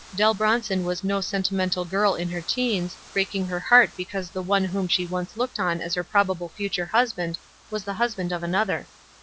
Dell Bronson was no sentimental girl in her teens, breaking her heart because the one whom she once looked upon as her probable future hus band was the husband of another.